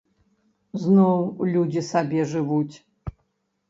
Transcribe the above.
Зноў людзі сабе жывуць.